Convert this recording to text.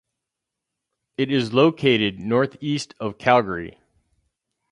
It is located northeast of Calgary.